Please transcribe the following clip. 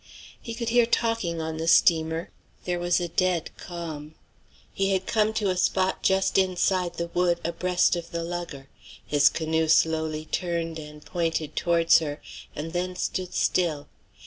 He could hear talking on the steamer. There was a dead calm. He had come to a spot just inside the wood, abreast of the lugger. His canoe slowly turned and pointed towards her, and then stood still.